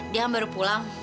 dia kan baru pulang